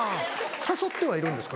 誘ってはいるんですか？